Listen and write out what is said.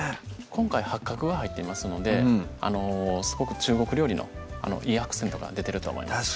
今回八角が入っていますのですごく中国料理のいいアクセントが出てると思います